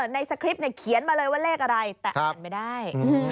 ในสคริปต์เขียนมาเลยว่าเลขอะไรแต่อ่านไม่ได้